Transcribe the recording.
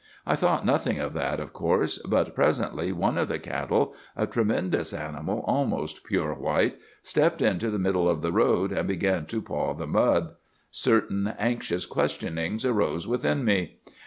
I thought nothing of that, of course; but presently one of the cattle—a tremendous animal, almost pure white—stepped into the middle of the road and began to paw the mud. Certain anxious questionings arose within me.